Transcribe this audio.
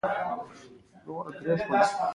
د معدې د تیزابیت لپاره باید څه شی وڅښم؟